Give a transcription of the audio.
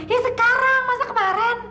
ya sekarang masa kemarin